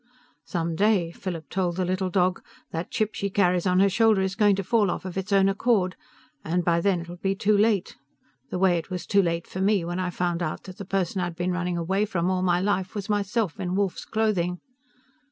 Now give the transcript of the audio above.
"Some day," Philip told the little dog, "that chip she carries on her shoulder is going to fall off of its own accord, and by then it will be too late the way it was too late for me when I found out that the person I'd been running away from all my life was myself in wolf's clothing."